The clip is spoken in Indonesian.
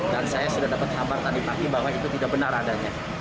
dan saya sudah dapat kabar tadi pagi bahwa itu tidak benar adanya